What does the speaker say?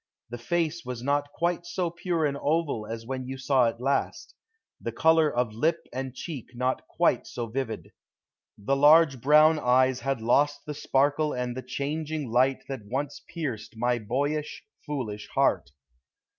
The face was not quite so pure an oval as when you saw it last; the color of lip and cheek not quite so vivid. The large brown eyes had lost the sparkle and the changing light that once pierced my boyish, foolish heart.